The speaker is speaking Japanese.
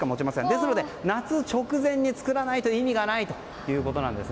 ですので、夏直前に作らないと意味がないということなんです。